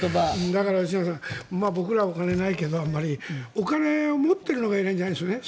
だから、吉永さん僕ら、あまりお金ないけどお金を持っているのが偉いんじゃないですよね。